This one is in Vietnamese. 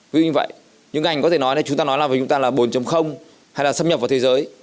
vì vậy những ngành có thể nói là chúng ta nói là bốn hay là xâm nhập vào thế giới